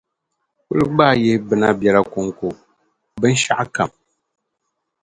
kuli gbaai yihi bina biɛla kɔŋko, binshɛɣukam.